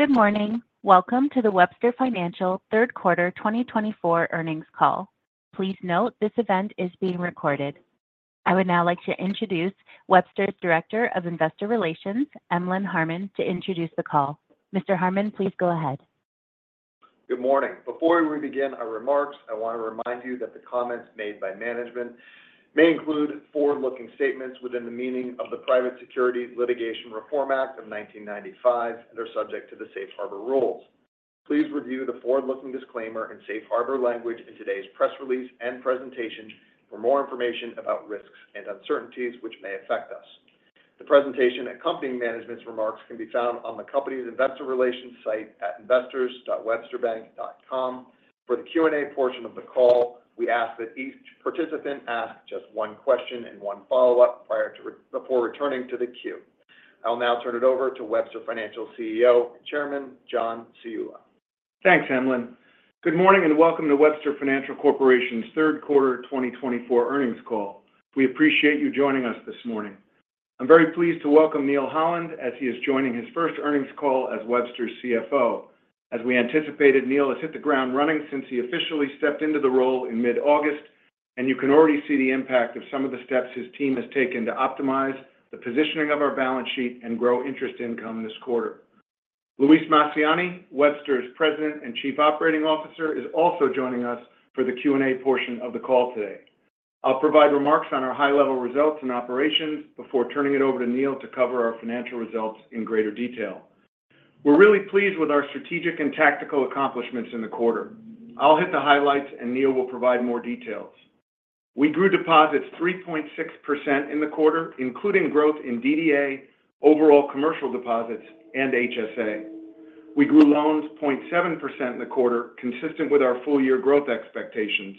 Good morning. Welcome to the Webster Financial Third Quarter 2024 Earnings Call. Please note, this event is being recorded. I would now like to introduce Webster's Director of Investor Relations, Emlen Harmon, to introduce the call. Mr. Harmon, please go ahead. Good morning. Before we begin our remarks, I want to remind you that the comments made by management may include forward-looking statements within the meaning of the Private Securities Litigation Reform Act of nineteen ninety-five, and are subject to the safe harbor rules. Please review the forward-looking disclaimer and safe harbor language in today's press release and presentation for more information about risks and uncertainties which may affect us. The presentation accompanying management's remarks can be found on the company's investor relations site at investors.websterbank.com. For the Q&A portion of the call, we ask that each participant ask just one question and one follow-up prior to before returning to the queue. I'll now turn it over to Webster Financial CEO and Chairman, John Ciulla. Thanks, Emlen. Good morning, and welcome to Webster Financial Corporation's third quarter twenty twenty-four earnings call. We appreciate you joining us this morning. I'm very pleased to welcome Neal Holland as he is joining his first earnings call as Webster's CFO. As we anticipated, Neal has hit the ground running since he officially stepped into the role in mid-August, and you can already see the impact of some of the steps his team has taken to optimize the positioning of our balance sheet and grow interest income this quarter. Luis Massiani, Webster's President and Chief Operating Officer, is also joining us for the Q&A portion of the call today. I'll provide remarks on our high-level results and operations before turning it over to Neal to cover our financial results in greater detail. We're really pleased with our strategic and tactical accomplishments in the quarter. I'll hit the highlights, and Neal will provide more details. We grew deposits 3.6% in the quarter, including growth in DDA, overall commercial deposits, and HSA. We grew loans 0.7% in the quarter, consistent with our full-year growth expectations.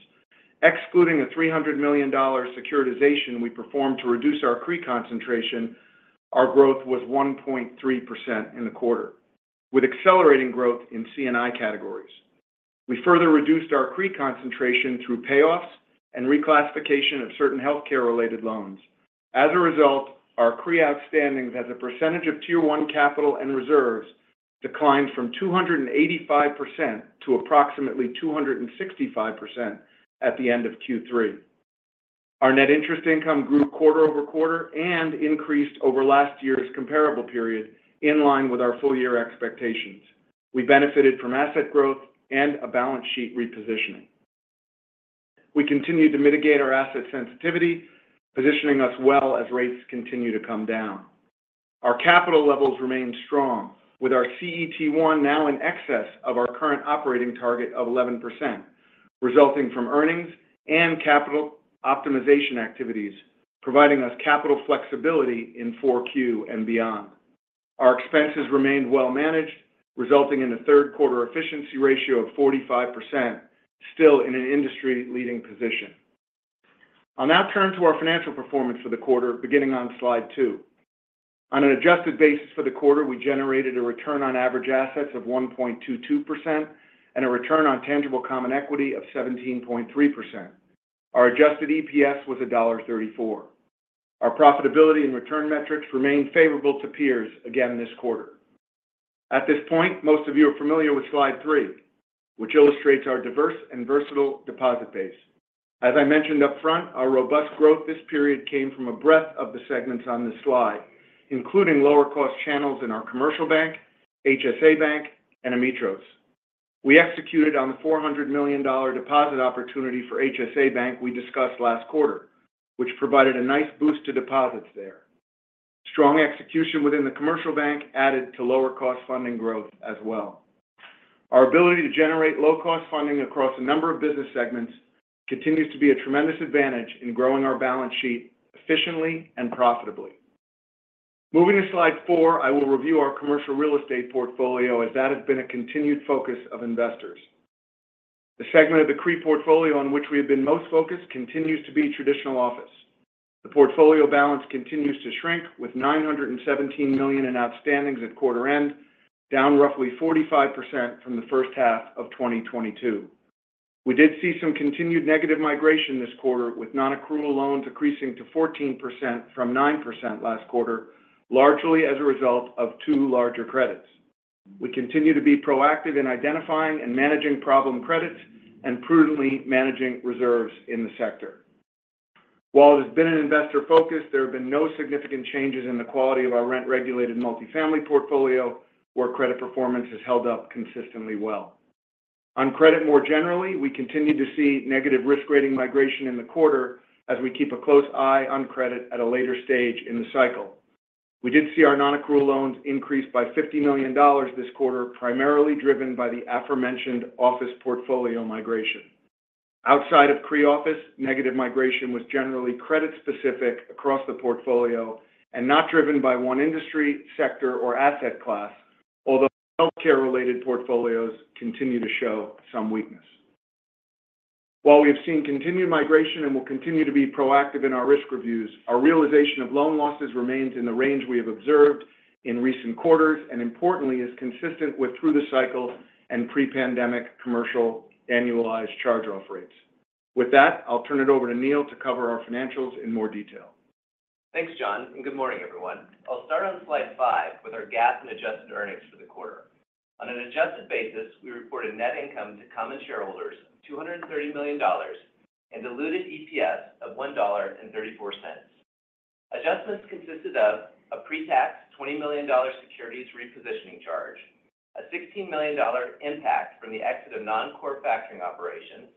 Excluding a $300 million securitization we performed to reduce our CRE concentration, our growth was 1.3% in the quarter, with accelerating growth in C&I categories. We further reduced our CRE concentration through payoffs and reclassification of certain healthcare-related loans. As a result, our CRE outstandings as a percentage of Tier 1 capital and reserves declined from 285% to approximately 265% at the end of Q3. Our net interest income grew quarter over quarter and increased over last year's comparable period, in line with our full-year expectations. We benefited from asset growth and a balance sheet repositioning. We continued to mitigate our asset sensitivity, positioning us well as rates continue to come down. Our capital levels remain strong, with our CET1 now in excess of our current operating target of 11%, resulting from earnings and capital optimization activities, providing us capital flexibility in 4Q and beyond. Our expenses remained well managed, resulting in a third quarter efficiency ratio of 45%, still in an industry-leading position. I'll now turn to our financial performance for the quarter, beginning on slide two. On an adjusted basis for the quarter, we generated a return on average assets of 1.22% and a return on tangible common equity of 17.3%. Our adjusted EPS was $1.34. Our profitability and return metrics remained favorable to peers again this quarter. At this point, most of you are familiar with slide three, which illustrates our diverse and versatile deposit base. As I mentioned upfront, our robust growth this period came from a breadth of the segments on this slide, including lower-cost channels in our commercial bank, HSA Bank, and Ametros. We executed on the $400 million deposit opportunity for HSA Bank we discussed last quarter, which provided a nice boost to deposits there. Strong execution within the commercial bank added to lower cost funding growth as well. Our ability to generate low-cost funding across a number of business segments continues to be a tremendous advantage in growing our balance sheet efficiently and profitably. Moving to slide four, I will review our commercial real estate portfolio, as that has been a continued focus of investors. The segment of the CRE portfolio on which we have been most focused continues to be traditional office. The portfolio balance continues to shrink, with $917 million in outstandings at quarter end, down roughly 45% from the first half of 2022. We did see some continued negative migration this quarter, with non-accrual loans decreasing to 14% from 9% last quarter, largely as a result of two larger credits. We continue to be proactive in identifying and managing problem credits and prudently managing reserves in the sector. While it has been an investor focus, there have been no significant changes in the quality of our rent-regulated multifamily portfolio, where credit performance has held up consistently well. On credit more generally, we continued to see negative risk rating migration in the quarter as we keep a close eye on credit at a later stage in the cycle. We did see our non-accrual loans increase by $50 million this quarter, primarily driven by the aforementioned office portfolio migration. Outside of CRE office, negative migration was generally credit specific across the portfolio and not driven by one industry, sector, or asset class, although healthcare-related portfolios continue to show some weakness. While we have seen continued migration and will continue to be proactive in our risk reviews, our realization of loan losses remains in the range we have observed in recent quarters and importantly, is consistent with through the cycle and pre-pandemic commercial annualized charge-off rates. With that, I'll turn it over to Neal to cover our financials in more detail. Thanks, John, and good morning, everyone. I'll start on slide five with our GAAP and adjusted earnings for the quarter. On an adjusted basis, we reported net income to common shareholders of $230 million and diluted EPS of $1.34. Adjustments consisted of a pre-tax $20 million securities repositioning charge, a $16 million impact from the exit of non-core factoring operations,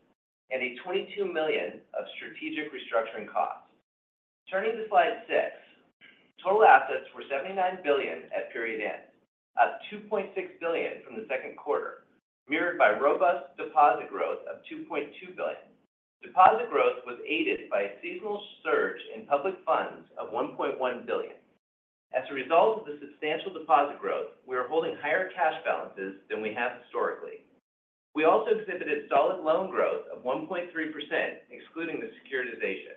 and $22 million of strategic restructuring costs. Turning to slide six, total assets were $79 billion at period end, up $2.6 billion from the second quarter, mirrored by robust deposit growth of $2.2 billion. Deposit growth was aided by a seasonal surge in public funds of $1.1 billion. As a result of the substantial deposit growth, we are holding higher cash balances than we have historically. We also exhibited solid loan growth of 1.3%, excluding the securitization.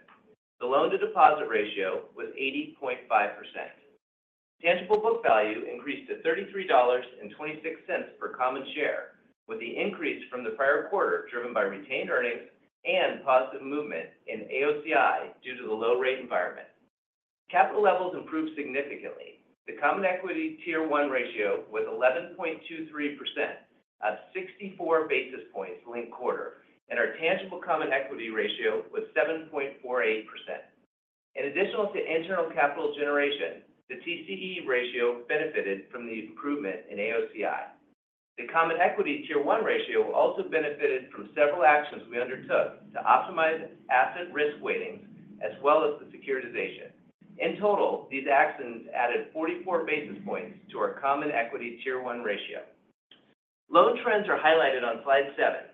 The loan-to-deposit ratio was 80.5%. Tangible book value increased to $33.26 per common share, with the increase from the prior quarter driven by retained earnings and positive movement in AOCI due to the low rate environment. Capital levels improved significantly. The common equity tier one ratio was 11.23%, up 64 basis points linked quarter, and our tangible common equity ratio was 7.48%. In addition to internal capital generation, the TCE ratio benefited from the improvement in AOCI. The common equity tier one ratio also benefited from several actions we undertook to optimize asset risk weightings, as well as the securitization. In total, these actions added 44 basis points to our common equity tier one ratio. Loan trends are highlighted on slide seven.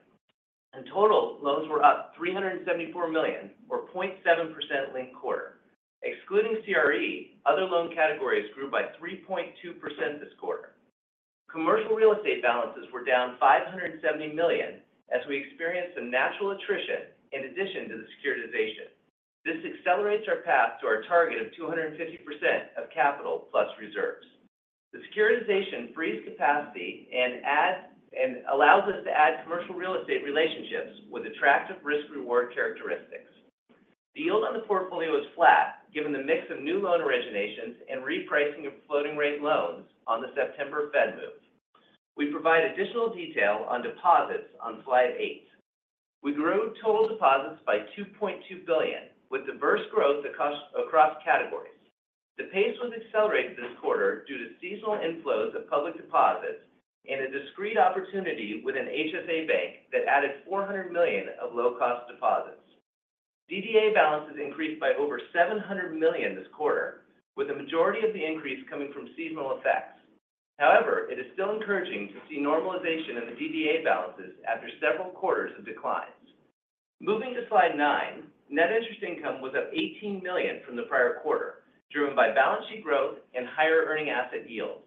In total, loans were up $374 million, or 0.7% linked quarter. Excluding CRE, other loan categories grew by 3.2% this quarter. Commercial real estate balances were down $570 million as we experienced some natural attrition in addition to the securitization. This accelerates our path to our target of 250% of capital plus reserves. The securitization frees capacity and adds and allows us to add commercial real estate relationships with attractive risk-reward characteristics. The yield on the portfolio is flat, given the mix of new loan originations and repricing of floating-rate loans on the September Fed move. We provide additional detail on deposits on slide eight. We grew total deposits by $2.2 billion, with diverse growth across categories. The pace was accelerated this quarter due to seasonal inflows of public deposits and a discrete opportunity with an HSA bank that added $400 million of low-cost deposits. DDA balances increased by over $700 million this quarter, with the majority of the increase coming from seasonal effects. However, it is still encouraging to see normalization in the DDA balances after several quarters of declines. Moving to slide nine, net interest income was up $18 million from the prior quarter, driven by balance sheet growth and higher earning asset yields.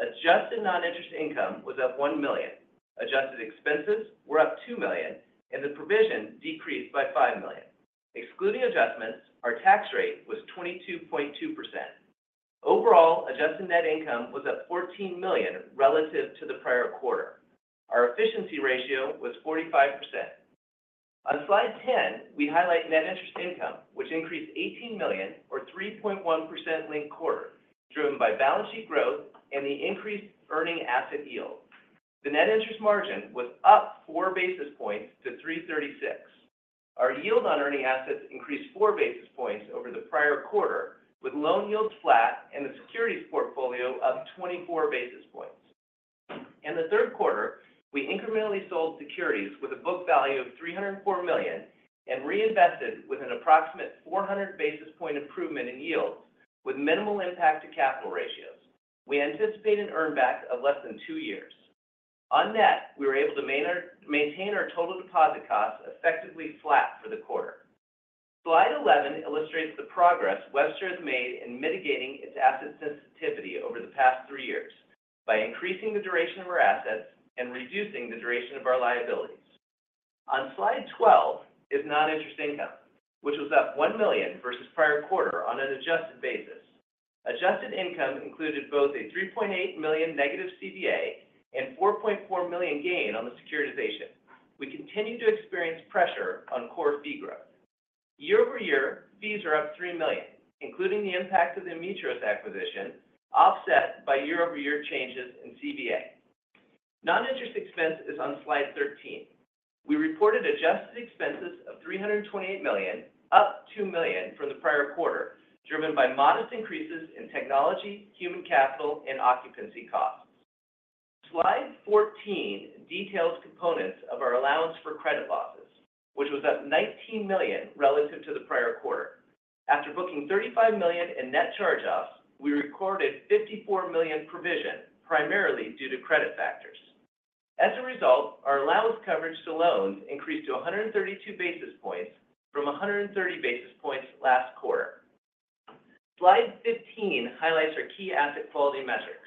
Adjusted non-interest income was up $1 million. Adjusted expenses were up $2 million, and the provision decreased by $5 million. Excluding adjustments, our tax rate was 22.2%. Overall, adjusted net income was up $14 million relative to the prior quarter. Our efficiency ratio was 45%. On slide ten, we highlight net interest income, which increased $18 million or 3.1% linked quarter, driven by balance sheet growth and the increased earning asset yield. The net interest margin was up four basis points to 3.36. Our yield on earning assets increased four basis points over the prior quarter, with loan yields flat and the securities portfolio up twenty-four basis points. In the third quarter, we incrementally sold securities with a book value of $304 million and reinvested with an approximate four hundred basis point improvement in yields with minimal impact to capital ratios. We anticipate an earn back of less than two years. On net, we were able to maintain our total deposit costs effectively flat for the quarter. Slide 11 illustrates the progress Webster has made in mitigating its asset sensitivity over the past three years by increasing the duration of our assets and reducing the duration of our liabilities. On Slide 12 is non-interest income, which was up $1 million versus prior quarter on an adjusted basis. Adjusted income included both a $3.8 million negative CVA and $4.4 million gain on the securitization. We continue to experience pressure on core fee growth. Year over year, fees are up $3 million, including the impact of the Ametros acquisition, offset by year-over-year changes in CVA. Non-interest expense is on Slide 13. We reported adjusted expenses of $328 million, up $2 million from the prior quarter, driven by modest increases in technology, human capital, and occupancy costs. Slide 14 details components of our allowance for credit losses, which was up $19 million relative to the prior quarter. After booking $35 million in net charge-offs, we recorded $54 million provision, primarily due to credit factors. As a result, our allowance coverage to loans increased to 132 basis points from 130 basis points last quarter. Slide 15 highlights our key asset quality metrics.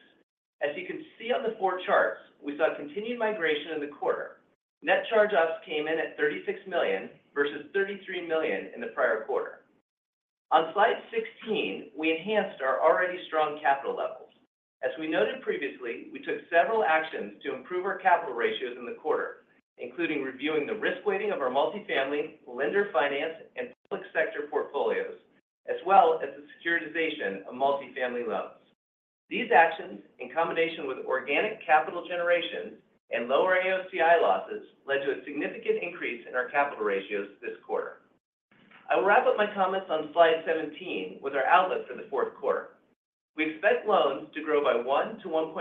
As you can see on the four charts, we saw continued migration in the quarter. Net charge-offs came in at $36 million, versus $33 million in the prior quarter. On Slide 16, we enhanced our already strong capital levels. As we noted previously, we took several actions to improve our capital ratios in the quarter, including reviewing the risk weighting of our multifamily, lender finance, and public sector portfolios, as well as the securitization of multifamily loans. These actions, in combination with organic capital generation and lower AOCI losses, led to a significant increase in our capital ratios this quarter. I will wrap up my comments on slide seventeen with our outlook for the fourth quarter. We expect loans to grow by 1%-1.5%,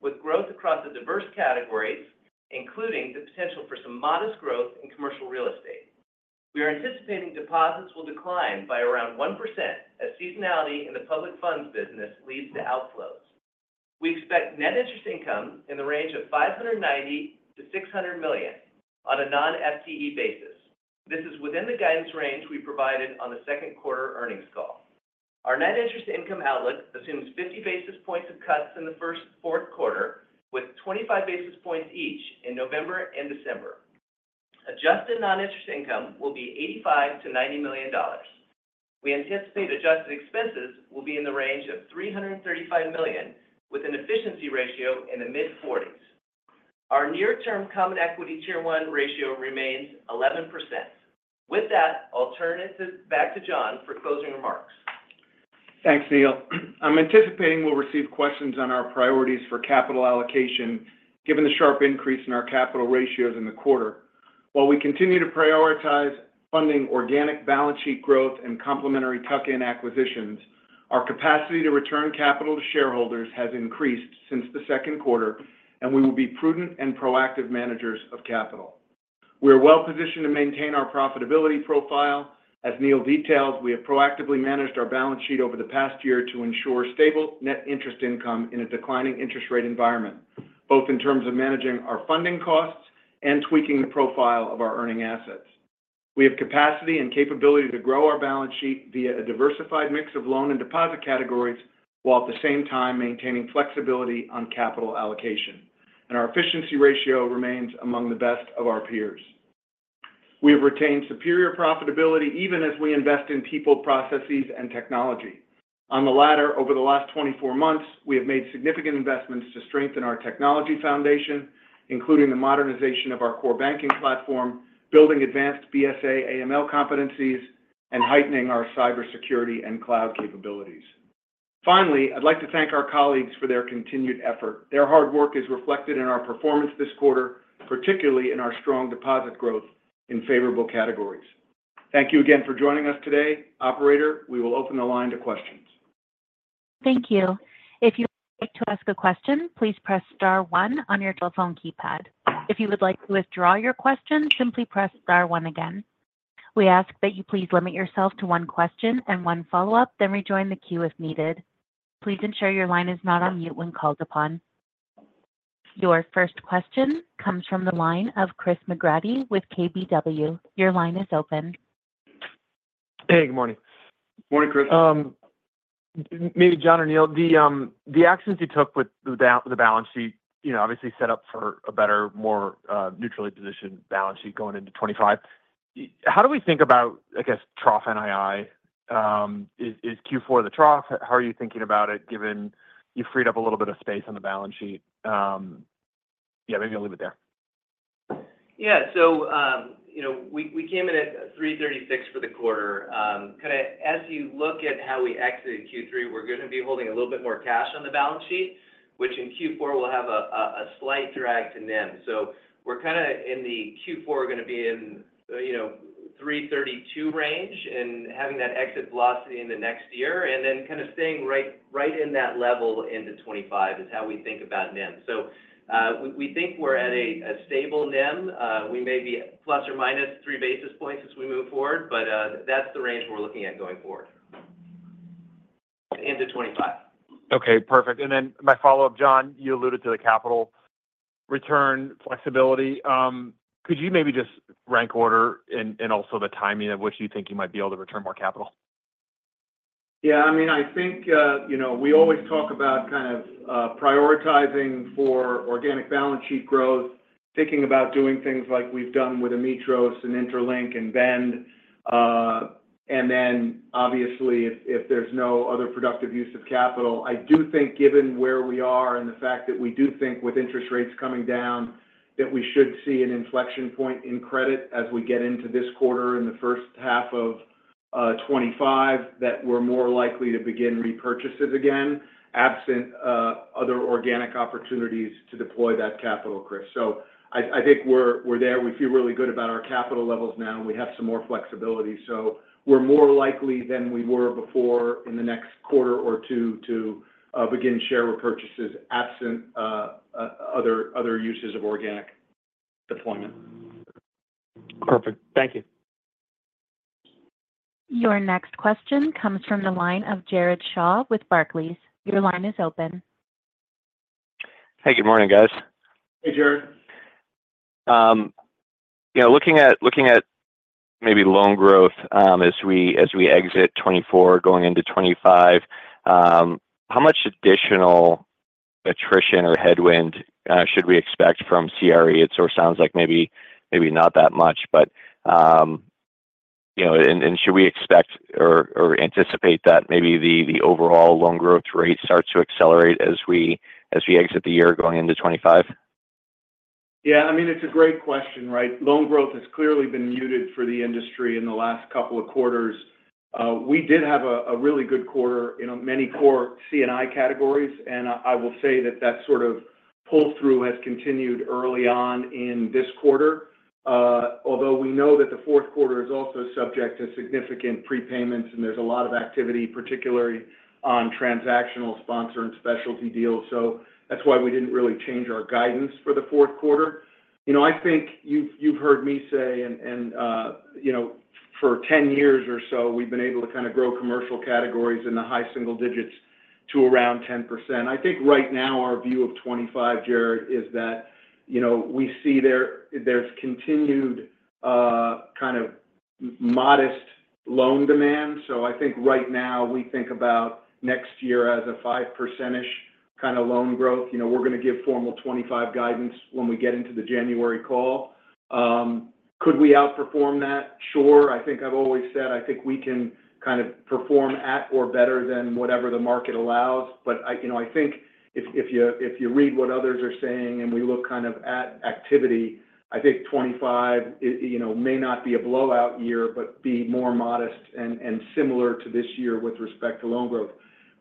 with growth across the diverse categories, including the potential for some modest growth in commercial real estate. We are anticipating deposits will decline by around 1%, as seasonality in the public funds business leads to outflows. We expect net interest income in the range of $590 million-$600 million on a non-FTE basis. This is within the guidance range we provided on the second quarter earnings call. Our net interest income outlook assumes 50 basis points of cuts in the fourth quarter, with 25 basis points each in November and December. Adjusted non-interest income will be $85 million-$90 million. We anticipate adjusted expenses will be in the range of $335 million, with an efficiency ratio in the mid-40s. Our near-term Common Equity Tier 1 ratio remains 11%. With that, I'll turn it back to John for closing remarks. Thanks, Neal. I'm anticipating we'll receive questions on our priorities for capital allocation, given the sharp increase in our capital ratios in the quarter. While we continue to prioritize funding organic balance sheet growth and complementary tuck-in acquisitions, our capacity to return capital to shareholders has increased since the second quarter, and we will be prudent and proactive managers of capital. We are well positioned to maintain our profitability profile. As Neal detailed, we have proactively managed our balance sheet over the past year to ensure stable net interest income in a declining interest rate environment, both in terms of managing our funding costs and tweaking the profile of our earning assets. We have capacity and capability to grow our balance sheet via a diversified mix of loan and deposit categories, while at the same time maintaining flexibility on capital allocation. Our efficiency ratio remains among the best of our peers. We have retained superior profitability, even as we invest in people, processes, and technology. On the latter, over the last twenty-four months, we have made significant investments to strengthen our technology foundation, including the modernization of our core banking platform, building advanced BSA AML competencies, and heightening our cybersecurity and cloud capabilities. Finally, I'd like to thank our colleagues for their continued effort. Their hard work is reflected in our performance this quarter, particularly in our strong deposit growth in favorable categories. Thank you again for joining us today. Operator, we will open the line to questions. Thank you. If you would like to ask a question, please press star one on your telephone keypad. If you would like to withdraw your question, simply press star one again. We ask that you please limit yourself to one question and one follow-up, then rejoin the queue if needed. Please ensure your line is not on mute when called upon. Your first question comes from the line of Chris McGratty with KBW. Your line is open. Hey, good morning. Morning, Chris. Maybe John or Neal, the actions you took with the balance sheet, you know, obviously set up for a better, more, neutrally positioned balance sheet going into 2025. How do we think about, I guess, trough NII? Is Q4 the trough? How are you thinking about it, given you freed up a little bit of space on the balance sheet? Yeah, maybe I'll leave it there. Yeah. So, you know, we came in at 3.36 for the quarter. Kind of as you look at how we exited Q3, we're going to be holding a little bit more cash on the balance sheet, which in Q4 will have a slight drag to NIM. So we're kind of in the Q4, we're going to be in, you know, 3.32 range and having that exit velocity into next year, and then kind of staying right in that level into 2025 is how we think about NIM. So, we think we're at a stable NIM. We may be ±3 basis points as we move forward, but that's the range we're looking at going forward into 2025. Okay, perfect. And then my follow-up, John, you alluded to the capital return flexibility. Could you maybe just rank order and, and also the timing of which you think you might be able to return more capital? Yeah, I mean, I think you know, we always talk about kind of prioritizing for organic balance sheet growth, thinking about doing things like we've done with Ametros and Interlink and Bend. And then obviously, if there's no other productive use of capital, I do think, given where we are and the fact that we do think with interest rates coming down, that we should see an inflection point in credit as we get into this quarter, in the first half of 2025, that we're more likely to begin repurchases again, absent other organic opportunities to deploy that capital, Chris. So I think we're there. We feel really good about our capital levels now, and we have some more flexibility. So we're more likely than we were before in the next quarter or two to begin share repurchases, absent other uses of organic deployment. Perfect. Thank you. Your next question comes from the line of Jared Shaw with Barclays. Your line is open. Hey, good morning, guys. Hey, Jared. You know, looking at maybe loan growth, as we exit 2024, going into 2025, how much additional attrition or headwind should we expect from CRE? It sort of sounds like maybe not that much, but you know, and should we expect or anticipate that maybe the overall loan growth rate starts to accelerate as we exit the year going into 2025? Yeah, I mean, it's a great question, right? Loan growth has clearly been muted for the industry in the last couple of quarters. We did have a really good quarter in many core C&I categories, and I will say that sort of pull-through has continued early on in this quarter. Although we know that the fourth quarter is also subject to significant prepayments, and there's a lot of activity, particularly on transactional sponsor and specialty deals. So that's why we didn't really change our guidance for the fourth quarter. You know, I think you've heard me say, and you know, for 10 years or so, we've been able to kind of grow commercial categories in the high single digits to around 10%. I think right now, our view of 2025, Jared, is that, you know, we see there's continued, kind of modest loan demand. So I think right now, we think about next year as a 5% kind of loan growth. You know, we're going to give formal 2025 guidance when we get into the January call. Could we outperform that? Sure. I think I've always said, I think we can kind of perform at or better than whatever the market allows. But I, you know, I think if you read what others are saying and we look kind of at activity, I think 2025, you know, may not be a blowout year, but be more modest and similar to this year with respect to loan growth.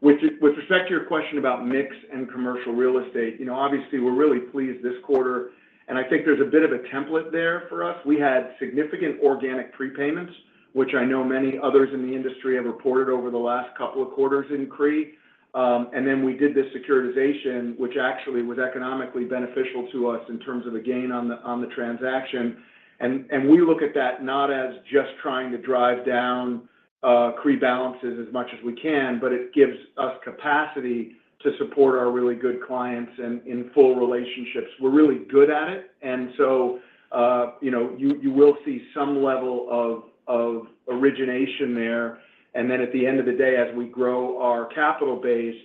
With respect to your question about mix and commercial real estate, you know, obviously, we're really pleased this quarter, and I think there's a bit of a template there for us. We had significant organic prepayments, which I know many others in the industry have reported over the last couple of quarters in CRE. And then we did this securitization, which actually was economically beneficial to us in terms of the gain on the transaction. And we look at that not as just trying to drive down CRE balances as much as we can, but it gives us capacity to support our really good clients in full relationships. We're really good at it, and so, you know, you will see some level of origination there. And then at the end of the day, as we grow our capital base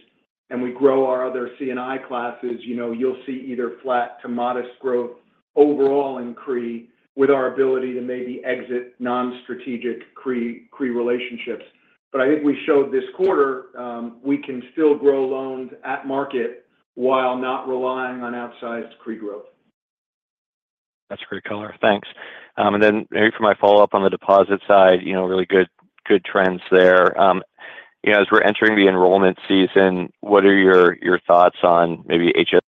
and we grow our other C&I classes, you know, you'll see either flat to modest growth overall in CRE with our ability to maybe exit non-strategic CRE, CRE relationships. But I think we showed this quarter, we can still grow loans at market while not relying on outsized CRE growth. That's a great color. Thanks. And then maybe for my follow-up on the deposit side, you know, really good, good trends there. You know, as we're entering the enrollment season, what are your thoughts on maybe HS-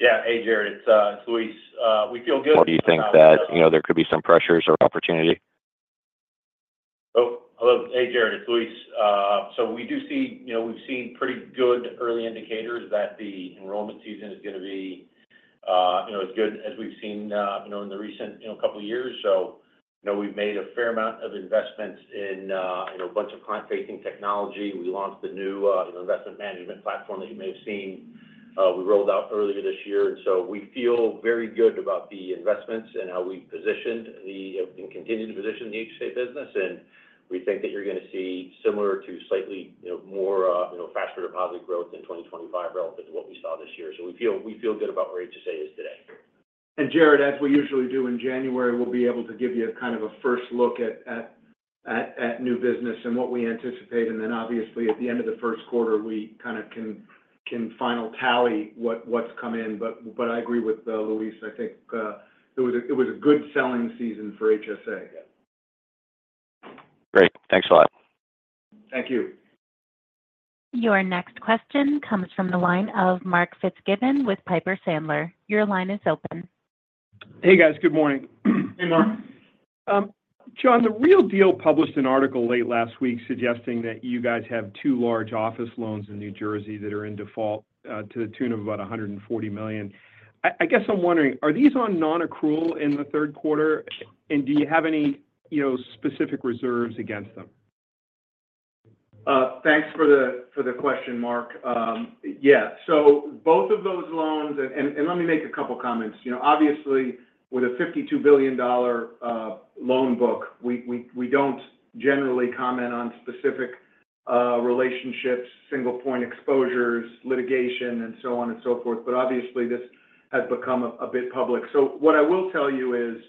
Yeah. Hey, Jared, it's Luis. We feel good. Do you think that, you know, there could be some pressures or opportunity? Oh, hello. Hey, Jared, it's Luis. So we do see, you know, we've seen pretty good early indicators that the enrollment season is going to be, you know, as good as we've seen, you know, in the recent, you know, couple of years. So, you know, we've made a fair amount of investments in, you know, a bunch of client-facing technology. We launched a new investment management platform that you may have seen, we rolled out earlier this year. And so we feel very good about the investments and how we positioned the and continue to position the HSA business. And we think that you're going to see similar to slightly, you know, more, you know, faster deposit growth in 2025 relative to what we saw this year. So we feel, we feel good about where HSA is today. And Jared, as we usually do in January, we'll be able to give you a kind of a first look at new business and what we anticipate. And then obviously, at the end of the first quarter, we kind of can final tally what's come in. I agree with Luis. I think it was a good selling season for HSA. Great. Thanks a lot. Thank you. Your next question comes from the line of Mark Fitzgibbon with Piper Sandler. Your line is open. Hey, guys. Good morning. Hey, Mark. John, The Real Deal published an article late last week suggesting that you guys have two large office loans in New Jersey that are in default, to the tune of about $140 million. I guess I'm wondering, are these on nonaccrual in the third quarter? And do you have any, you know, specific reserves against them? Thanks for the question, Mark. Yeah, so both of those loans, and let me make a couple of comments. You know, obviously, with a $52 billion loan book, we don't generally comment on specific relationships, single-point exposures, litigation, and so on and so forth, but obviously, this has become a bit public. So what I will tell you is,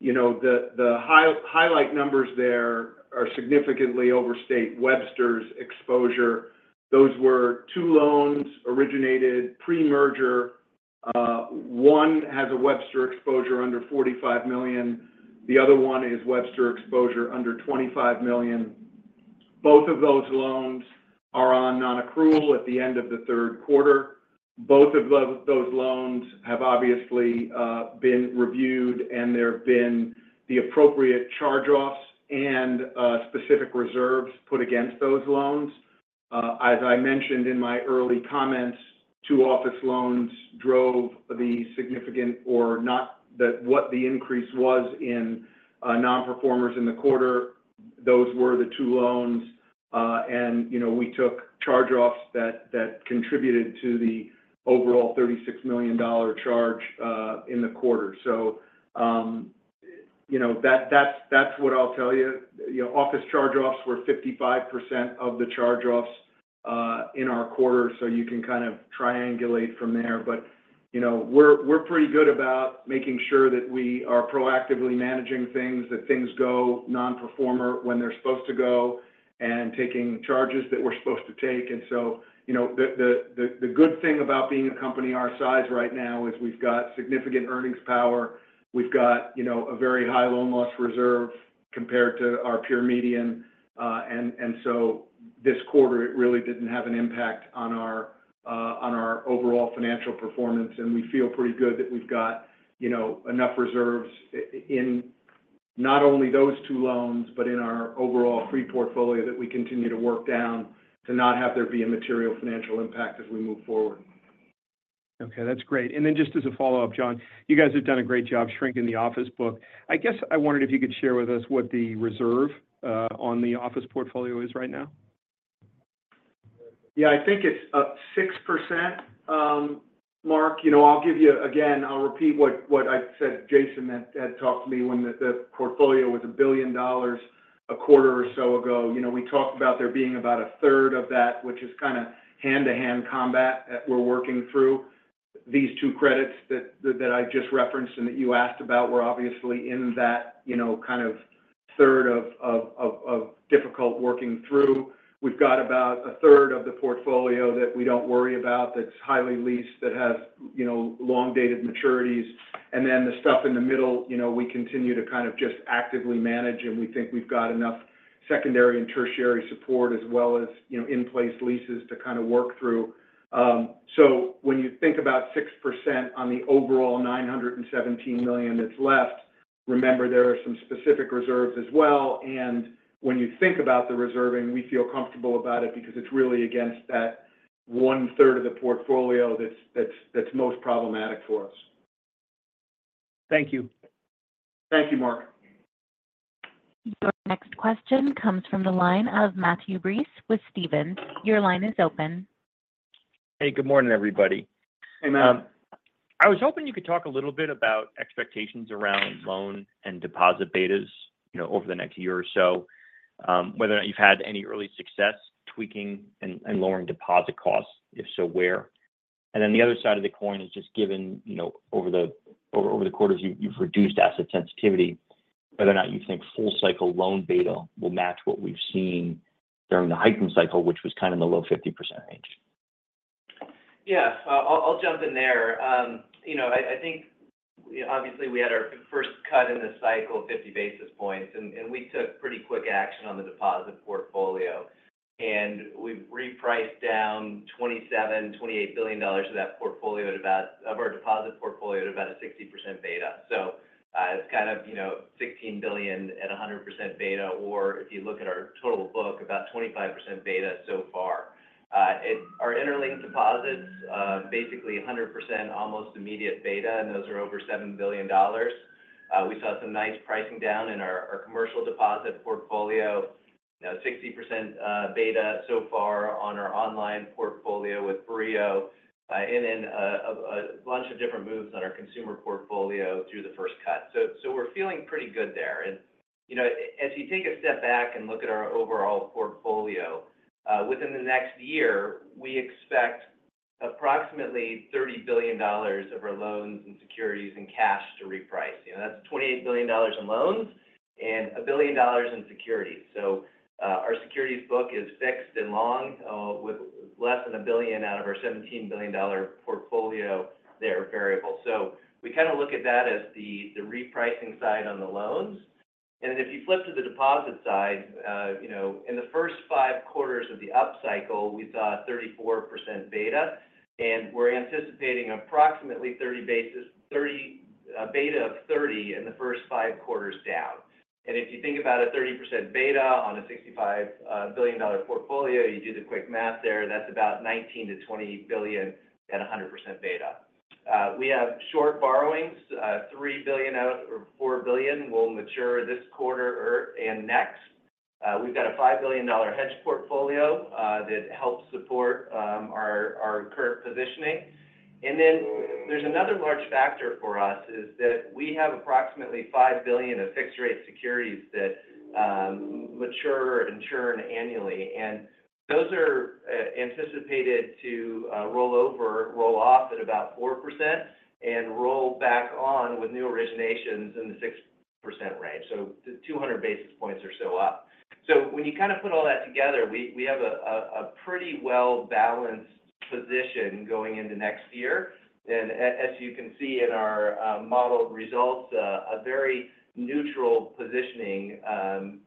you know, the headline numbers there are significantly overstate Webster's exposure. Those were two loans originated pre-merger. One has a Webster exposure under $45 million, the other one is Webster exposure under $25 million. Both of those loans are on nonaccrual at the end of the third quarter. Both of those loans have obviously been reviewed, and there have been the appropriate charge-offs and specific reserves put against those loans. As I mentioned in my early comments, two office loans drove the increase in nonperformers in the quarter. Those were the two loans, and, you know, we took charge-offs that contributed to the overall $36 million charge in the quarter. So, you know, that's what I'll tell you. You know, office charge-offs were 55% of the charge-offs in our quarter, so you can kind of triangulate from there. But, you know, we're pretty good about making sure that we are proactively managing things, that things go nonperforming when they're supposed to go, and taking charges that we're supposed to take. And so, you know, the good thing about being a company our size right now is we've got significant earnings power. We've got, you know, a very high loan loss reserve compared to our peer median. And so this quarter, it really didn't have an impact on our overall financial performance, and we feel pretty good that we've got, you know, enough reserves in not only those two loans but in our overall CRE portfolio that we continue to work down to not have there be a material financial impact as we move forward. Okay, that's great. And then just as a follow-up, John, you guys have done a great job shrinking the office book. I guess I wondered if you could share with us what the reserve on the office portfolio is right now? Yeah, I think it's up 6%. Mark, you know, I'll give you—again, I'll repeat what I said. Jason had talked to me when the portfolio was $1 billion a quarter or so ago. You know, we talked about there being about a third of that, which is kind of hand-to-hand combat that we're working through. These two credits that I just referenced and that you asked about were obviously in that, you know, kind of third of difficult working through. We've got about a third of the portfolio that we don't worry about, that's highly leased, that has, you know, long dated maturities. And then the stuff in the middle, you know, we continue to kind of just actively manage, and we think we've got enough secondary and tertiary support as well as, you know, in-place leases to kind of work through. So when you think about 6% on the overall $917 million that's left, remember there are some specific reserves as well. When you think about the reserving, we feel comfortable about it because it's really against that one-third of the portfolio that's most problematic for us. Thank you. Thank you, Mark. Your next question comes from the line of Matthew Breese with Stephens. Your line is open. Hey, good morning, everybody. Hey, Matt. I was hoping you could talk a little bit about expectations around loan and deposit betas, you know, over the next year or so. Whether or not you've had any early success tweaking and lowering deposit costs? If so, where? And then the other side of the coin is just given, you know, over the quarters, you've reduced asset sensitivity, whether or not you think full cycle loan beta will match what we've seen during the hiking cycle, which was kind of in the low 50% range. Yeah. I'll jump in there. You know, I think, obviously, we had our first cut in the cycle, 50 basis points, and we took pretty quick action on the deposit portfolio. And we repriced down $27 billion-$28 billion of that portfolio at about of our deposit portfolio at about a 60% beta. So, it's kind of, you know, $16 billion at a 100% beta, or if you look at our total book, about 25% beta so far. It's our Interlink deposits, basically a 100%, almost immediate beta, and those are over $7 billion. We saw some nice pricing down in our commercial deposit portfolio. Now 60% beta so far on our online portfolio with Brio, and then a bunch of different moves on our consumer portfolio through the first cut. So, so we're feeling pretty good there. And, you know, as you take a step back and look at our overall portfolio, within the next year, we expect approximately $30 billion of our loans and securities and cash to reprice. You know, that's $28 billion in loans and $1 billion in securities. So, our securities book is fixed and long, with less than $1 billion out of our $17 billion portfolio, they are variable. So we kind of look at that as the repricing side on the loans. And then if you flip to the deposit side, you know, in the first five quarters of the upcycle, we saw 34% beta, and we're anticipating approximately 30% beta in the first five quarters down. And if you think about a 30% beta on a $65 billion portfolio, you do the quick math there, that's about $19 billion-$20 billion at a 100% beta. We have short borrowings, $3 billion out or $4 billion will mature this quarter or next. We've got a $5 billion hedge portfolio that helps support our current positioning. And then there's another large factor for us, is that we have approximately $5 billion of fixed rate securities that mature and turn annually, and those are anticipated to roll off at about 4% and roll back on with new originations in the 6% range. So the 200 basis points or so up. So when you kind of put all that together, we have a pretty well-balanced position going into next year. And as you can see in our modeled results, a very neutral positioning,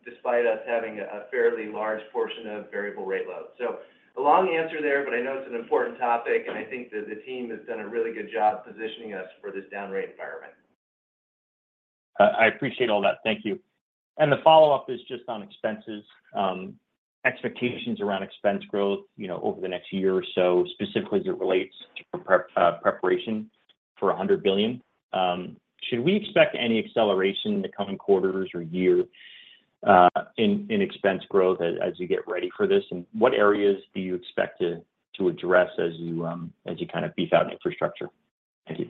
despite us having a fairly large portion of variable rate loans. So a long answer there, but I know it's an important topic, and I think that the team has done a really good job positioning us for this down rate environment. I appreciate all that. Thank you. And the follow-up is just on expenses. Expectations around expense growth, you know, over the next year or so, specifically as it relates to preparation for a hundred billion. Should we expect any acceleration in the coming quarters or year in expense growth as you get ready for this? And what areas do you expect to address as you kind of beef out infrastructure? Thank you.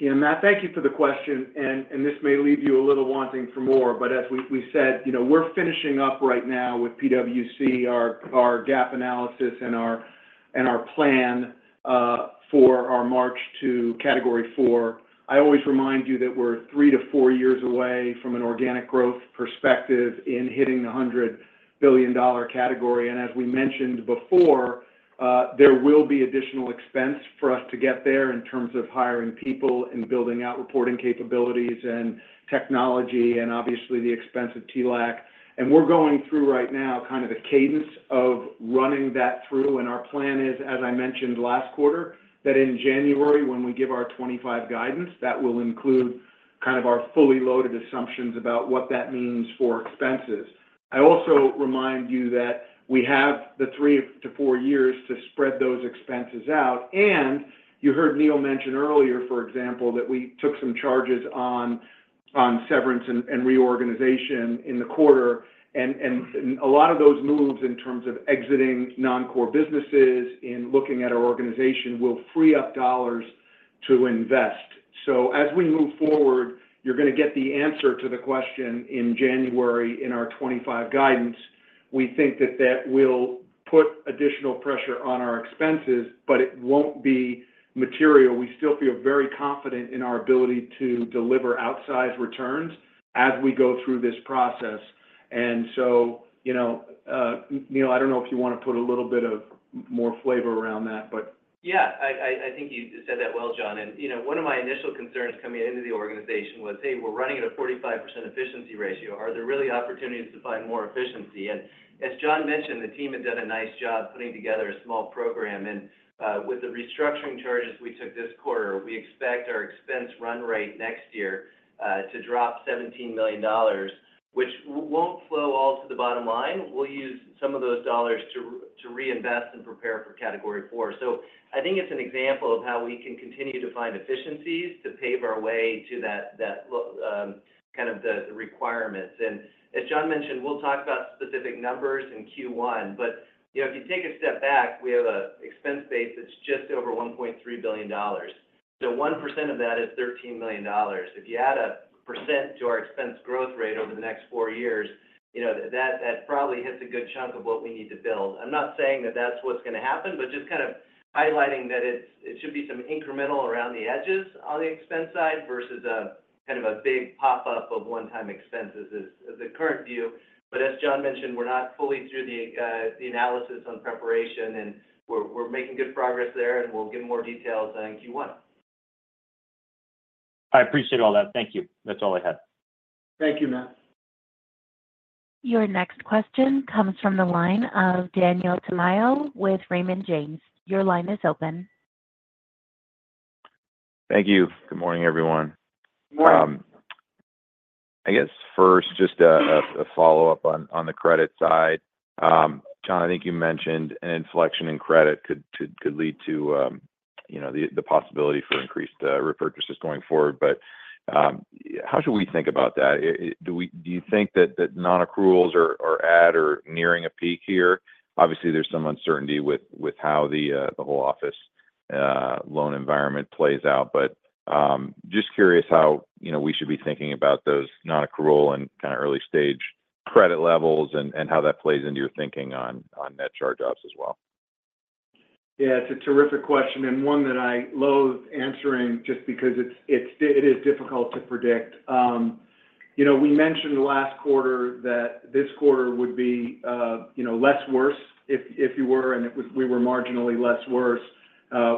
Yeah, Matt, thank you for the question, and this may leave you a little wanting for more. But as we said, you know, we're finishing up right now with PwC, our gap analysis and our plan for our march to Category Four. I always remind you that we're three to four years away from an organic growth perspective in hitting the $100 billion category. And as we mentioned before, there will be additional expense for us to get there in terms of hiring people and building out reporting capabilities and technology, and obviously, the expense of TLAC. We're going through right now, kind of a cadence of running that through, and our plan is, as I mentioned last quarter, that in January, when we give our 2025 guidance, that will include kind of our fully loaded assumptions about what that means for expenses. I also remind you that we have the three to four years to spread those expenses out, and you heard Neal mention earlier, for example, that we took some charges on severance and a lot of those moves in terms of exiting non-core businesses and looking at our organization will free up dollars to invest. As we move forward, you're going to get the answer to the question in January in our 2025 guidance. We think that that will put additional pressure on our expenses, but it won't be material. We still feel very confident in our ability to deliver outsized returns as we go through this process. And so, you know, Neal, I don't know if you want to put a little bit of more flavor around that, but Yeah, I think you said that well, John. And, you know, one of my initial concerns coming into the organization was, hey, we're running at a 45% efficiency ratio. Are there really opportunities to find more efficiency? And as John mentioned, the team has done a nice job putting together a small program. And with the restructuring charges we took this quarter, we expect our expense run rate next year to drop $17 million, which won't flow all to the bottom line. We'll use some of those dollars to reinvest and prepare for Category IV. So I think it's an example of how we can continue to find efficiencies to pave our way to that kind of the requirements. As John mentioned, we'll talk about specific numbers in Q1, but, you know, if you take a step back, we have an expense base that's just over $1.3 billion. So 1% of that is $13 million. If you add 1% to our expense growth rate over the next four years, you know, that probably hits a good chunk of what we need to build. I'm not saying that that's what's going to happen, but just kind of highlighting that it should be some incremental around the edges on the expense side versus a kind of a big pop-up of one-time expenses is the current view. But as John mentioned, we're not fully through the analysis on preparation, and we're making good progress there, and we'll give more details on Q1. I appreciate all that. Thank you. That's all I had. Thank you, Matt. Your next question comes from the line of Daniel Tamayo with Raymond James. Your line is open. Thank you. Good morning, everyone. Good morning. I guess first, just a follow-up on the credit side. John, I think you mentioned an inflection in credit could lead to, you know, the possibility for increased repurchases going forward, but how should we think about that? Do you think that nonaccruals are at or nearing a peak here? Obviously, there's some uncertainty with how the whole office loan environment plays out, but just curious how, you know, we should be thinking about those nonaccrual and kind of early stage credit levels and how that plays into your thinking on net charge-offs as well. Yeah, it's a terrific question, and one that I loathe answering just because it is difficult to predict. You know, we mentioned last quarter that this quarter would be, you know, less worse, and it was- we were marginally less worse.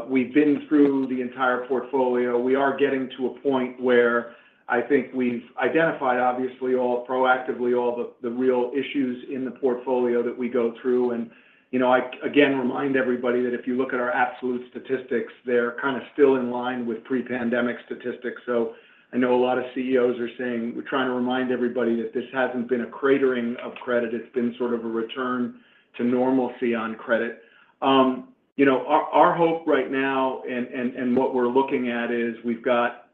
We've been through the entire portfolio. We are getting to a point where I think we've identified, obviously, all proactively, all the real issues in the portfolio that we go through. And, you know, I, again, remind everybody that if you look at our absolute statistics, they're kind of still in line with pre-pandemic statistics. So I know a lot of CEOs are saying, we're trying to remind everybody that this hasn't been a cratering of credit. It's been sort of a return to normalcy on credit. You know, our hope right now and what we're looking at is we've got,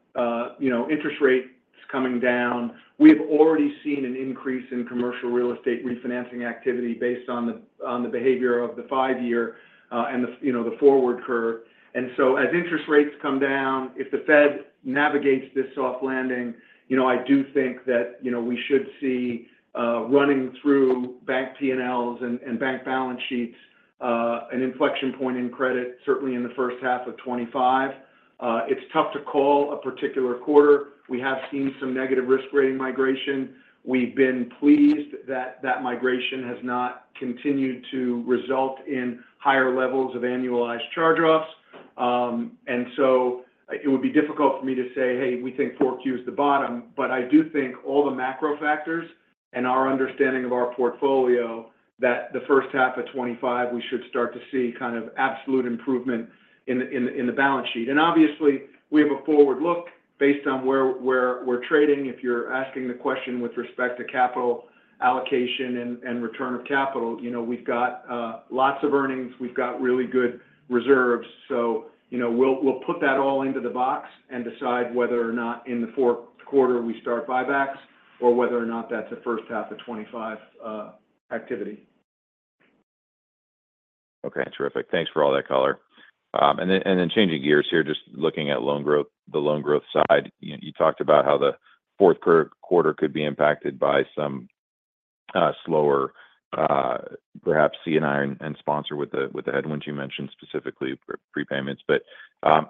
you know, interest rates coming down. We have already seen an increase in commercial real estate refinancing activity based on the behavior of the five-year and the forward curve. And so as interest rates come down, if the Fed navigates this soft landing, you know, I do think that, you know, we should see running through bank PNLs and bank balance sheets an inflection point in credit, certainly in the first half of 2025. It's tough to call a particular quarter. We have seen some negative risk rating migration. We've been pleased that that migration has not continued to result in higher levels of annualized charge-offs. And so it would be difficult for me to say, "Hey, we think Q4 is the bottom." But I do think all the macro factors and our understanding of our portfolio, that the first half of 2025, we should start to see kind of absolute improvement in the balance sheet. And obviously, we have a forward look based on where we're trading. If you're asking the question with respect to capital allocation and return of capital, you know, we've got lots of earnings, we've got really good reserves. So, you know, we'll put that all into the box and decide whether or not in the fourth quarter we start buybacks or whether or not that's a first half of 2025 activity. Okay, terrific. Thanks for all that color. And then changing gears here, just looking at loan growth, the loan growth side. You talked about how the fourth quarter could be impacted by some slower, perhaps C&I and sponsor with the headwinds you mentioned specifically prepayments. But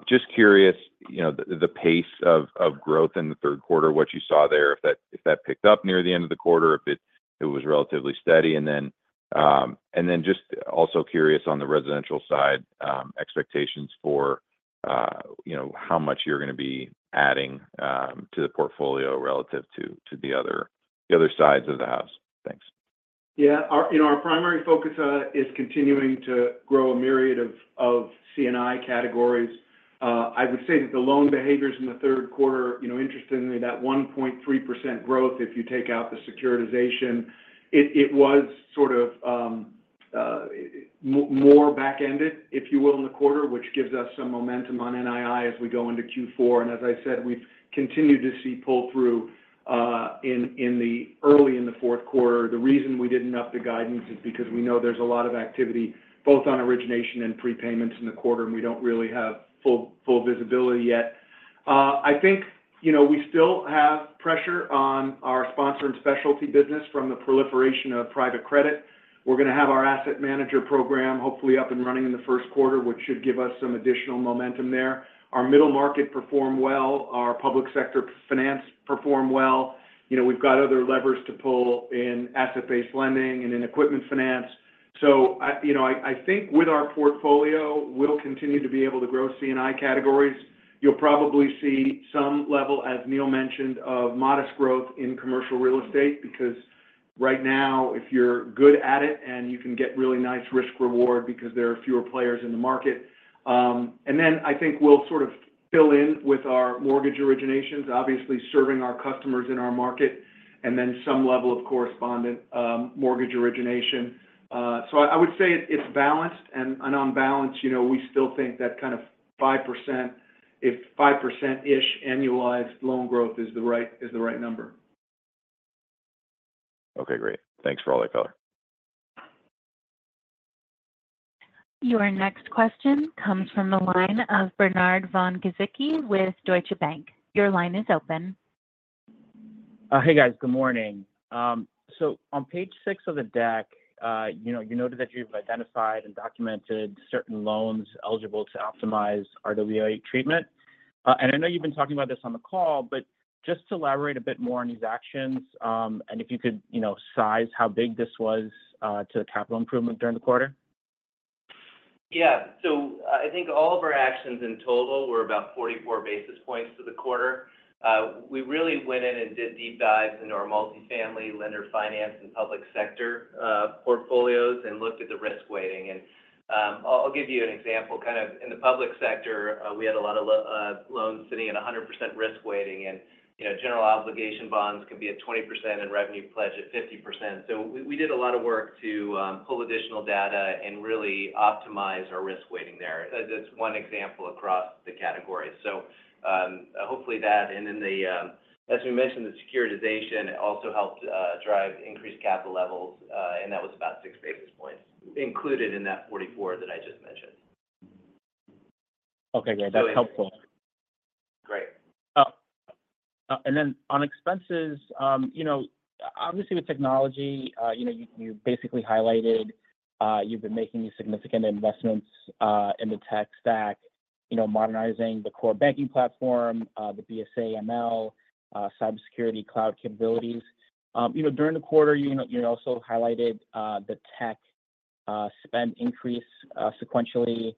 just curious, you know, the pace of growth in the third quarter, what you saw there, if that picked up near the end of the quarter, if it was relatively steady. And then just also curious on the residential side, expectations for, you know, how much you're going to be adding to the portfolio relative to the other sides of the house. Thanks. Yeah. Our, you know, our primary focus is continuing to grow a myriad of C&I categories. I would say that the loan behaviors in the third quarter, you know, interestingly, that 1.3% growth, if you take out the securitization, it was sort of more back-ended, if you will, in the quarter, which gives us some momentum on NII as we go into Q4. And as I said, we've continued to see pull-through in the early in the fourth quarter. The reason we didn't up the guidance is because we know there's a lot of activity, both on origination and prepayments in the quarter, and we don't really have full visibility yet. I think, you know, we still have pressure on our sponsor and specialty business from the proliferation of private credit. We're going to have our asset manager program hopefully up and running in the first quarter, which should give us some additional momentum there. Our middle market performed well. Our public sector finance performed well. You know, we've got other levers to pull in asset-based lending and in equipment finance. So I, you know, think with our portfolio, we'll continue to be able to grow C&I categories. You'll probably see some level, as Neal mentioned, of modest growth in commercial real estate, because right now, if you're good at it and you can get really nice risk reward because there are fewer players in the market. And then I think we'll sort of fill in with our mortgage originations, obviously serving our customers in our market, and then some level of correspondent mortgage origination. So I would say it's balanced, and on balance, you know, we still think that kind of 5%-ish annualized loan growth is the right number. Okay, great. Thanks for all that color. Your next question comes from the line of Bernard Von Gizycki with Deutsche Bank. Your line is open. Hey, guys. Good morning, so on page six of the deck, you know, you noted that you've identified and documented certain loans eligible to optimize RWA treatment, and I know you've been talking about this on the call, but just to elaborate a bit more on these actions, and if you could, you know, size how big this was to the capital improvement during the quarter? Yeah. So I think all of our actions in total were about 44 basis points to the quarter. We really went in and did deep dives into our multifamily lender finance and public sector portfolios and looked at the risk weighting. I'll give you an example. Kind of in the public sector, we had a lot of loans sitting at 100% risk weighting, and, you know, general obligation bonds can be at 20% and revenue pledge at 50%. So we did a lot of work to pull additional data and really optimize our risk weighting there. That's one example across the category. Hopefully, that and then, as we mentioned, the securitization also helped drive increased capital levels, and that was about 6 basis points included in that 44 that I just mentioned. Okay, great. That's helpful. Great. And then on expenses, you know, obviously, with technology, you know, you basically highlighted, you've been making significant investments in the tech stack, you know, modernizing the core banking platform, the BSA/AML, cybersecurity cloud capabilities. You know, during the quarter, you know, you also highlighted the tech spend increase sequentially,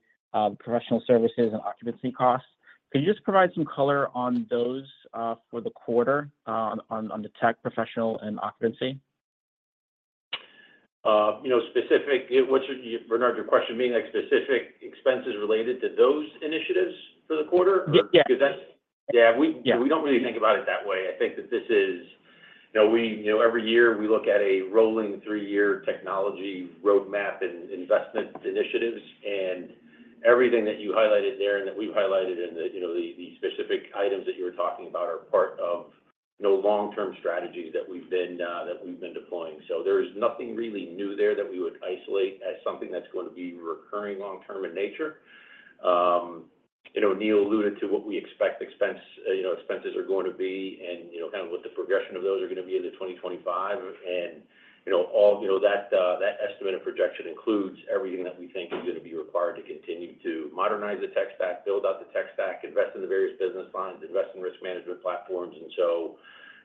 professional services and occupancy costs. Could you just provide some color on those for the quarter on the tech professional and occupancy? You know, specifically, what's, Bernard, your question being, like, specific expenses related to those initiatives for the quarter? Yeah. Because that's. Yeah. Yeah. We don't really think about it that way. I think that this is... You know, we, you know, every year we look at a rolling three-year technology roadmap and investment initiatives, and everything that you highlighted there and that we've highlighted in the, you know, the, the specific items that you were talking about are part of no long-term strategies that we've been, that we've been deploying. So there is nothing really new there that we would isolate as something that's going to be recurring long term in nature. You know, Neal alluded to what we expect expenses are going to be and, you know, kind of what the progression of those are going to be into 2025. You know, all you know, that estimate and projection includes everything that we think is going to be required to continue to modernize the tech stack, build out the tech stack, invest in the various business lines, invest in risk management platforms.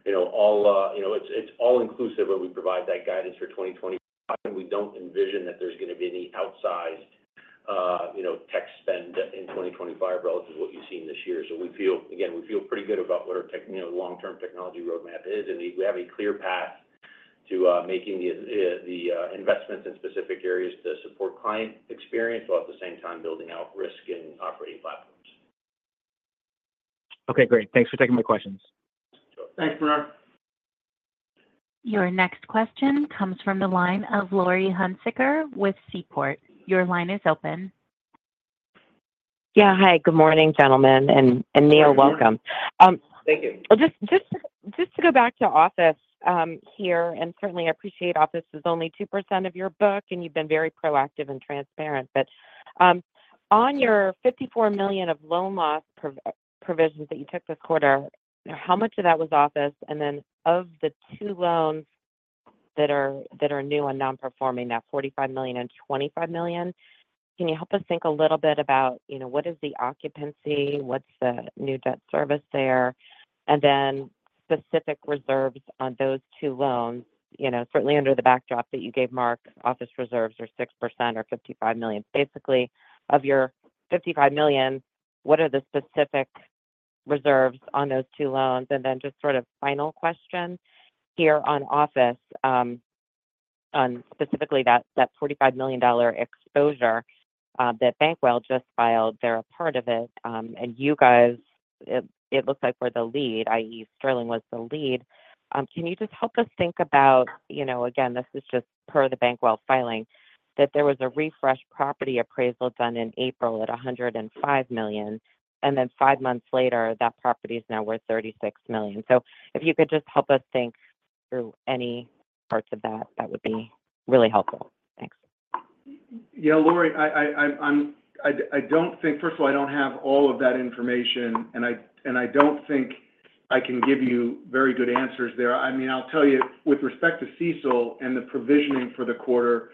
You know, all you know, it's all inclusive when we provide that guidance for 2025, and we don't envision that there's going to be any outsized you know, tech spend in 2025 relative to what you've seen this year. We feel, again, pretty good about what our tech you know, long-term technology roadmap is, and we have a clear path to making the investments in specific areas to support client experience, while at the same time building out risk and operating platforms. Okay, great. Thanks for taking my questions. Thanks, Bernard. Your next question comes from the line of Laurie Hunsicker with Seaport. Your line is open. Yeah. Hi, good morning, gentlemen, and Neal, welcome. Thank you. Just to go back to office, here, and certainly appreciate office is only 2% of your book, and you've been very proactive and transparent, but on your $54 million of loan loss provisions that you took this quarter, how much of that was office? And then of the two loans that are new and non-performing, that $45 million and $25 million, can you help us think a little bit about, you know, what is the occupancy, what's the new debt service there? And then specific reserves on those two loans, you know, certainly under the backdrop that you gave Mark, office reserves are 6% or $55 million. Basically, of your $55 million, what are the specific reserves on those two loans? And then just sort of final question here on office, on specifically that $45 million exposure that Bankwell just filed, they're a part of it. And you guys, it looks like were the lead, i.e., Sterling was the lead. Can you just help us think about, you know, again, this is just per the Bankwell filing, that there was a refreshed property appraisal done in April at $105 million, and then five months later, that property is now worth $36 million. So if you could just help us think through any parts of that, that would be really helpful. Thanks. Yeah, Laurie, I don't think. First of all, I don't have all of that information, and I don't think I can give you very good answers there. I mean, I'll tell you, with respect to CECL and the provisioning for the quarter,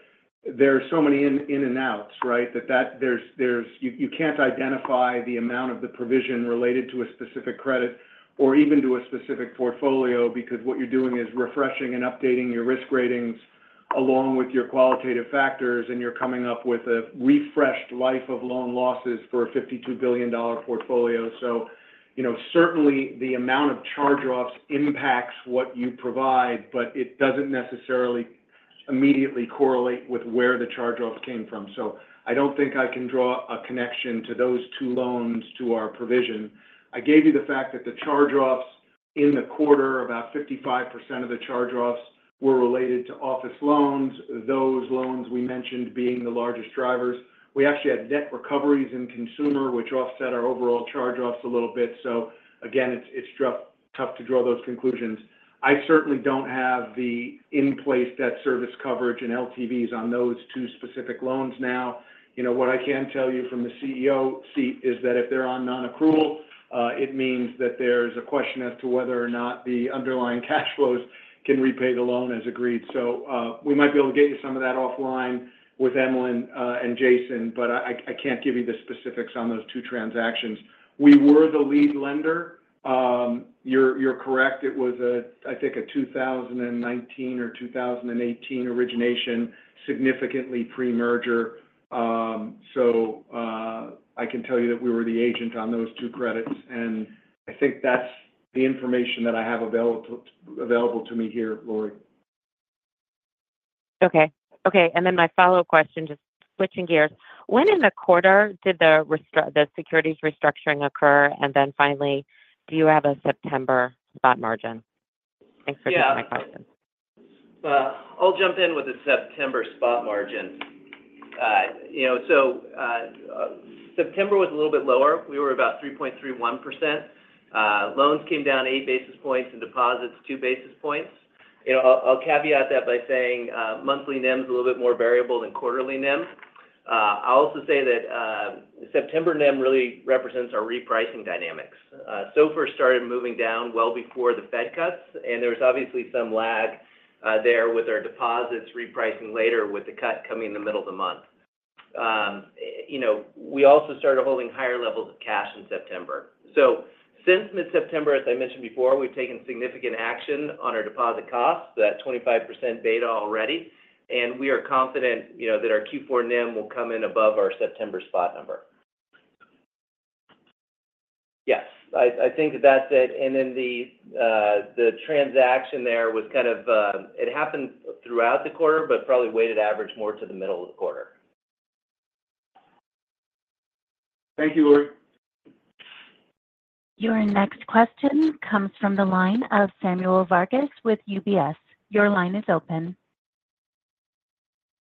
there are so many ins and outs, right? That you can't identify the amount of the provision related to a specific credit or even to a specific portfolio because what you're doing is refreshing and updating your risk ratings along with your qualitative factors, and you're coming up with a refreshed life of loan losses for a $52 billion portfolio. So, you know, certainly, the amount of charge-offs impacts what you provide, but it doesn't necessarily immediately correlate with where the charge-offs came from. So I don't think I can draw a connection to those two loans to our provision. I gave you the fact that the charge-offs in the quarter, about 55% of the charge-offs were related to office loans. Those loans we mentioned being the largest drivers. We actually had net recoveries in consumer, which offset our overall charge-offs a little bit. So again, it's tough to draw those conclusions. I certainly don't have the in-place debt service coverage and LTVs on those two specific loans now. You know, what I can tell you from the CEO seat is that if they're on nonaccrual, it means that there's a question as to whether or not the underlying cash flows can repay the loan as agreed. So, we might be able to get you some of that offline with Emlyn and Jason, but I can't give you the specifics on those two transactions. We were the lead lender. You're correct, it was, I think, a two thousand and nineteen or two thousand and eighteen origination, significantly pre-merger. So, I can tell you that we were the agent on those two credits, and I think that's the information that I have available to me here, Laurie. Okay. Okay, and then my follow-up question, just switching gears, when in the quarter did the securities restructuring occur? And then finally, do you have a September spot margin? Yeah. Thanks for taking my question. I'll jump in with the September spot margin. You know, so, September was a little bit lower. We were about 3.31%. Loans came down eight basis points and deposits, two basis points. You know, I'll caveat that by saying, monthly NIM is a little bit more variable than quarterly NIM. I'll also say that, September NIM really represents our repricing dynamics. SOFR started moving down well before the Fed cuts, and there was obviously some lag, there with our deposits repricing later with the cut coming in the middle of the month. You know, we also started holding higher levels of cash in September. So since mid-September, as I mentioned before, we've taken significant action on our deposit costs, that 25% beta already, and we are confident, you know, that our Q4 NIM will come in above our September spot number. Yes, I think that's it. And then the, the transaction there was kind of, it happened throughout the quarter, but probably weighted average more to the middle of the quarter. Thank you, Laurie. Your next question comes from the line of Samuel Varga with UBS. Your line is open.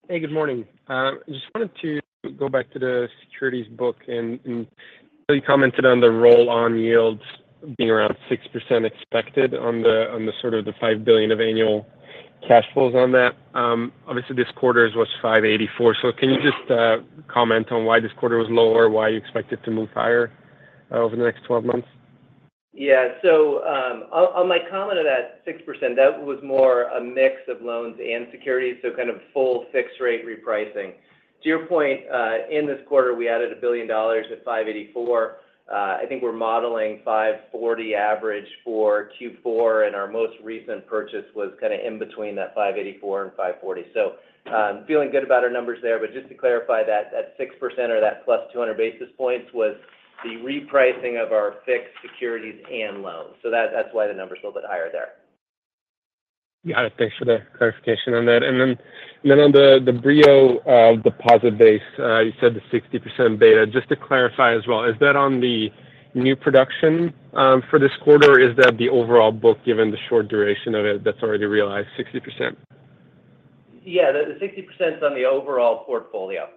Hey, good morning. Just wanted to go back to the securities book, and you commented on the roll-on yields being around 6% expected on the sort of the $5 billion of annual cash flows on that. Obviously, this quarter's was 584. So can you just comment on why this quarter was lower, why you expect it to move higher over the next 12 months? Yeah. So, on my comment of that 6%, that was more a mix of loans and securities, so kind of full fixed-rate repricing. To your point, in this quarter, we added $1 billion at 5.84%. I think we're modeling 5.40% average for Q4, and our most recent purchase was kind of in between that 5.84% and 5.40%. So, feeling good about our numbers there, but just to clarify that, that 6% or that plus 200 basis points was the repricing of our fixed securities and loans. So that's why the numbers are a little bit higher there. Got it. Thanks for the clarification on that. And then on the Brio deposit base, you said the 60% beta. Just to clarify as well, is that on the new production for this quarter, or is that the overall book, given the short duration of it, that's already realized 60%? Yeah, the 60% is on the overall portfolio.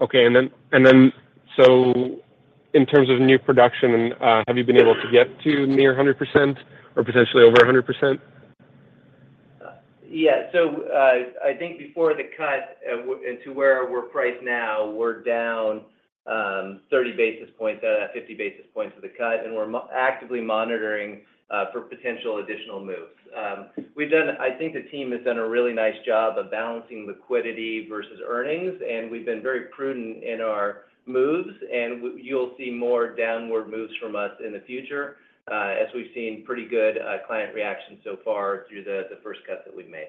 Okay. And then, so in terms of new production, have you been able to get to near 100% or potentially over 100%? Yeah. So, I think before the cut, and to where we're priced now, we're down thirty basis points, fifty basis points for the cut, and we're actively monitoring for potential additional moves. I think the team has done a really nice job of balancing liquidity versus earnings, and we've been very prudent in our moves, and you'll see more downward moves from us in the future, as we've seen pretty good client reaction so far through the first cut that we've made.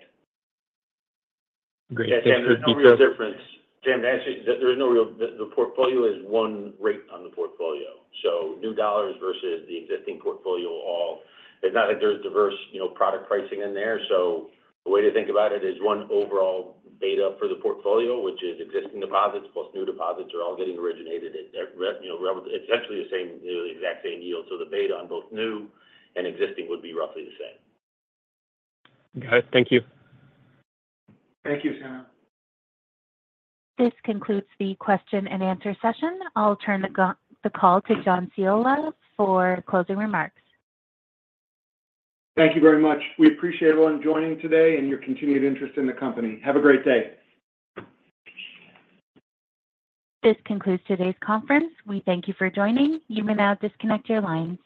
Great. There's no real difference. Jim, actually, the portfolio is one rate on the portfolio. So new dollars versus the existing portfolio. It's not like there's diverse, you know, product pricing in there. So the way to think about it is one overall beta for the portfolio, which is existing deposits, plus new deposits, are all getting originated at their, you know, essentially the same, the exact same yield. So the beta on both new and existing would be roughly the same. Got it. Thank you. Thank you, Sam. This concludes the question and answer session. I'll turn the call to John Ciulla for closing remarks. Thank you very much. We appreciate everyone joining today and your continued interest in the company. Have a great day. This concludes today's conference. We thank you for joining. You may now disconnect your lines.